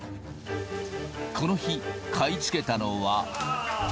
この日、買い付けたのは。